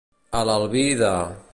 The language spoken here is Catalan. A l'albir de.